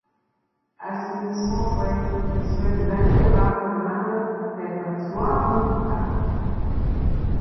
Asimismo fue vicepresidente bajo el mando de Francois Mujica.